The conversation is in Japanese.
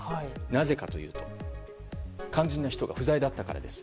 なぜかというと、肝心な人が不在だったからです。